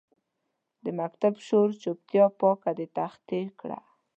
د مکتب شور چوپتیا پاکه د تختې کړه